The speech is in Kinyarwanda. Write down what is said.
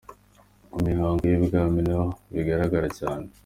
Mu mihango y’i-Bwami niho bigaragara cyane.